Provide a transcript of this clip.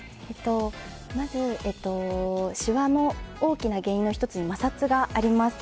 まずシワの大きな原因の１つに摩擦があります。